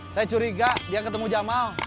saya curiga dia ketemu jamal